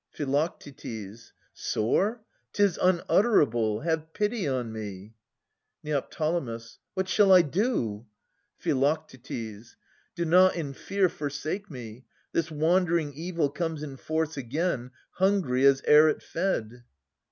Phi. Sore ? 'Tis unutterable. Have pity on me ! Neo. What shall I do? Phi. Do not in fear forsake me. This wandering evil comes in force again, Hungry as ere it fed.